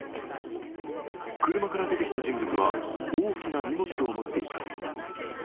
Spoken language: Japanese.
車から出てきた人物は大きな荷物を持っています。